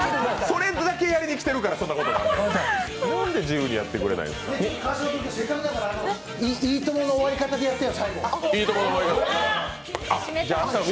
それだけやりに来てるから、そんなことになるねん。